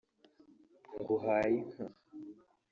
nguhaye inka”